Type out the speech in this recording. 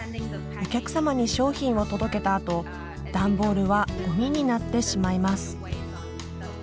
お客様に商品を届けたあと段ボールはゴミになってしまいます。